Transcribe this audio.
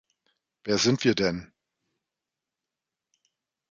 Wer sind wir denn?